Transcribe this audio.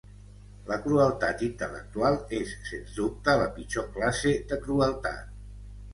La crueltat intel·lectual és sens dubte la pitjor classe de crueltat.